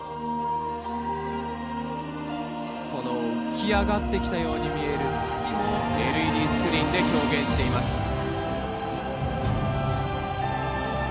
浮き上がってきたように見える、この月もＬＥＤスクリーンで表現しています。